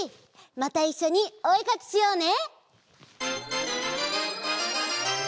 またいっしょにおえかきしようね！